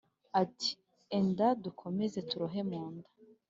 Ati: "Enda dukomeze turohe mu nda: